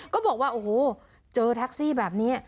ก็บอกว่าโอ้โหเจอแท็กซี่แบบนี้